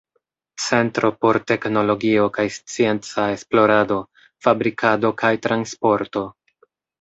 Centro por teknologio kaj scienca esplorado, fabrikado kaj transporto.